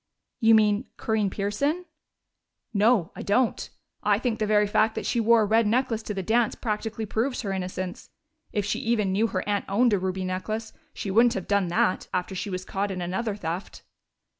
"You mean Corinne Pearson?" "No, I don't. I think the very fact that she wore a red necklace to the dance practically proves her innocence. If she even knew her aunt owned a ruby necklace, she wouldn't have done that, after she was caught in another theft."